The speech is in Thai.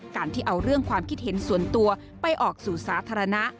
การที่เอาเรื่องความคิดเห็นส่วนตัวไปออกสู่สาธารณะ